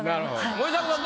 森迫さん